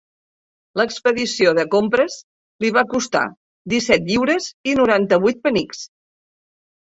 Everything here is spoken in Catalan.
L'expedició de compres li va costar disset lliures i noranta-vuit penics.